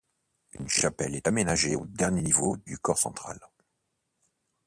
Une chapelle est aménagée au dernier niveau du corps central.